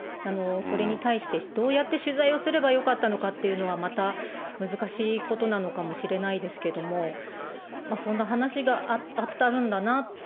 それに対して、どうやって取材をすればよかったのかっていうのはまた難しいことなのかもしれないですけども、そんな話があったんだな、